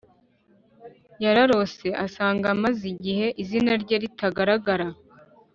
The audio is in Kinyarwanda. yararose asanga amaze igihe izina rye ritagaragara